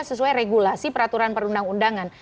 sesuai regulasi peraturan perundang undangan